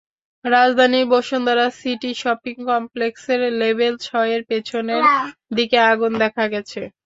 রাজধানীর Bashundhara city shopping কমপ্লেক্সের level ছয়ের পেছনের দিকে আগুন দেখা গেছে।